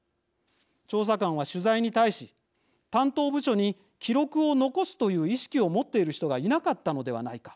調査官は取材に対し「担当部署に記録を残すという意識を持っている人がいなかったのではないか。